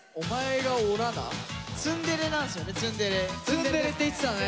ツンデレって言ってたね。